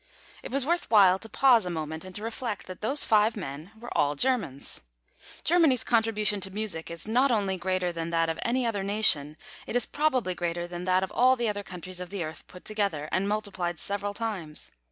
It was worth while to pause a moment and to reflect that those five men were all Germans. Germany's contribution to music is not only greater than that of any other nation, it is probably greater than that of all the other countries of the earth put together, and multiplied several times.